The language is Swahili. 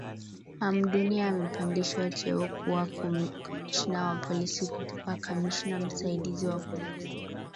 Hamduni amepandishwa cheo kuwa kamishna wa polisi kutoka kamishna msaidizi wa polisi